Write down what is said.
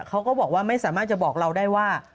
เขาก็บอกว่าไม่สามารถจะบอกเราได้ว่า